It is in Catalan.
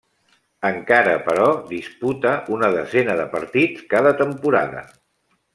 Encara però, disputa una desena de partits cada temporada.